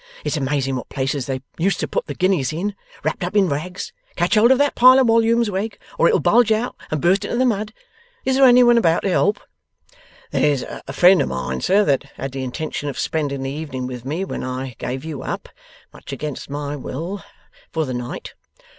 It's amazing what places they used to put the guineas in, wrapped up in rags. Catch hold of that pile of wollumes, Wegg, or it'll bulge out and burst into the mud. Is there anyone about, to help?' 'There's a friend of mine, sir, that had the intention of spending the evening with me when I gave you up much against my will for the night.